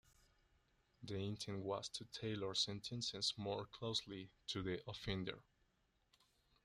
The intent was to tailor sentences more closely to the offender.